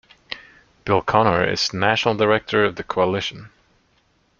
Bill Connor is national director of the coalition.